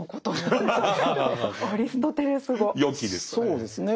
「よき」ですね。